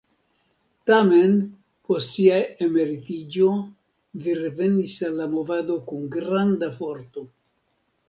Tamen, post sia emeritiĝo li revenis al la movado kun granda forto.